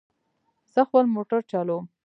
زه خپل موټر چلوم